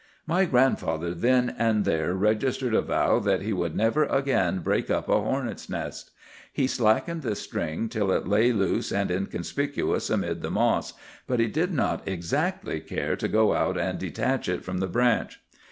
"My grandfather then and there registered a vow that he would never again break up a hornets' nest. He slackened the string till it lay loose and inconspicuous amid the moss, but he did not exactly care to go out and detach it from the branch.